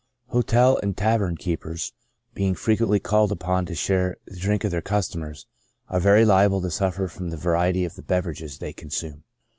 Hotel and tavern keepers, being frequently called upon to share the drink of their customers, are very liable to suffer from the variety of the beverages they consume.